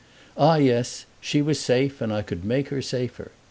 Ah yes, she was safe and I could make her safer!